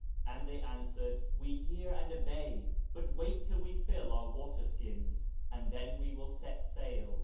and the' answered, "We hear and obey, but wait till we fill our water skins and then we will set sail."